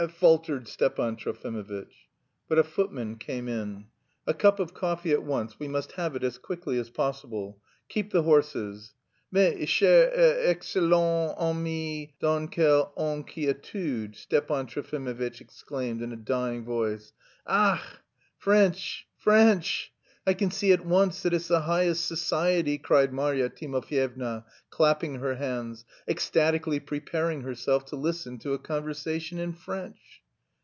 faltered Stepan Trofimovitch. But a footman came in. "A cup of coffee at once, we must have it as quickly as possible! Keep the horses!" "Mais, chère et excellente amie, dans quelle inquiétude..." Stepan Trofimovitch exclaimed in a dying voice. "Ach! French! French! I can see at once that it's the highest society," cried Marya Timofyevna, clapping her hands, ecstatically preparing herself to listen to a conversation in French.